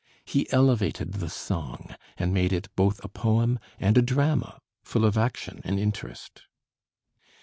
He elevated the song and made it both a poem and a drama, full of action and interest.